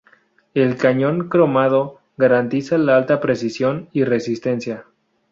El cañón cromado garantiza la alta precisión y resistencia.